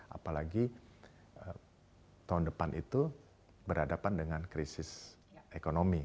apalagi tahun depan itu berhadapan dengan krisis ekonomi